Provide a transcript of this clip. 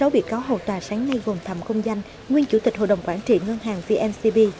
bốn mươi sáu bị cáo hậu tòa sáng nay gồm thạm công danh nguyên chủ tịch hội đồng quản trị ngân hàng vncb